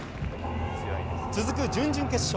続く準々決勝。